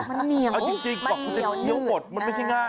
เออจริงบอกว่าเป็นเครื่องบดมันไม่ใช่ง่าย